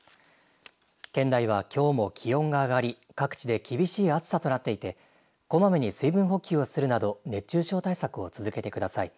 県内はきょうも気温が上がり各地で厳しい暑さとなっていてこまめに水分補給をするなど熱中症対策を続けてください。